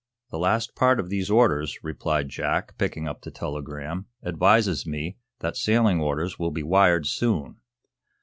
"The last part of these orders," replied Jack, picking up the telegram, "advises me that sailing orders will be wired soon."